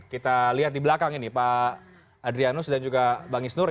kita lihat di belakang ini pak adrianus dan juga bang isnur